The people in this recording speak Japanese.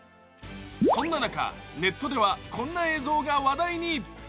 そんな中、ネットではこんな映像が話題に。